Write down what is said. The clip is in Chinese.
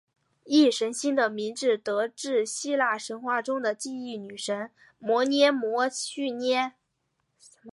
忆神星的名字得自希腊神话中的记忆女神谟涅摩叙涅。